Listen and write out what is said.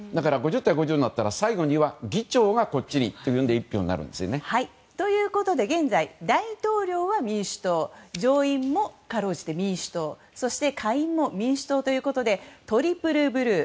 ５０対５０になったら最後が議長がということで１票になるんですよね。ということで現在大統領は民主党上院もかろうじて民主党下院も民主党ということでトリプルブルー。